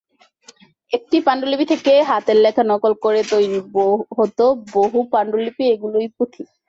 একটি পাণ্ডুলিপি থেকে হাতের লেখা নকল করে তৈরি হতো বহু পাণ্ডুলিপি—এগুলোই পুঁথি।